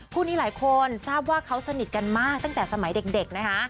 คู่นี้หลายคนทราบว่าเขาสนิทกันมากตั้งแต่สมัยเด็กนะคะ